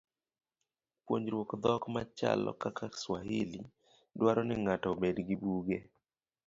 Puonjruok dhok machalo kaka Swahili, dwaro ni ng'ato obed gi buge.